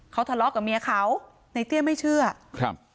เขาทะเลาะกับเมียเขาในเตี้ยไม่เชื่อครับ